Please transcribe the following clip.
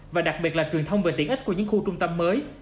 và đặc biệt là truyền thông về tiện ích của những khu trung tâm mới